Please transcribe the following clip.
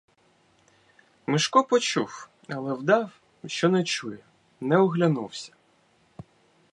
Мишко почув, але вдав, що не чує — не оглянувся.